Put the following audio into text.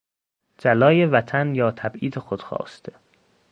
جلای وطن یا تبعید خود خواسته